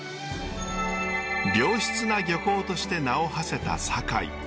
良質な漁港として名をはせた堺。